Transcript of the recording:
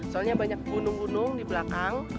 soalnya banyak gunung gunung di belakang